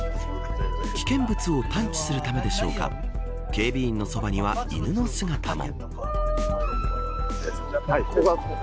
危険物を探知するためでしょうか警備員のそばには犬の姿も。